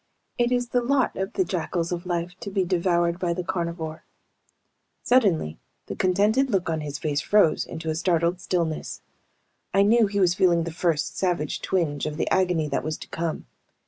It is the lot of the jackals of life to be devoured by the carnivore. Suddenly the contented look on his face froze into a startled stillness. I knew he was feeling the first savage twinge of the agony that was to come.